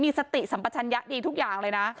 สติสัมปชัญญะดีทุกอย่างเลยนะ